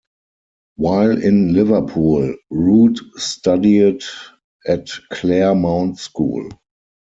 While in Liverpool, Root studied at Clare Mount School.